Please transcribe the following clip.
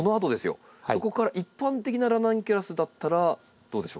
そこから一般的なラナンキュラスだったらどうでしょうか？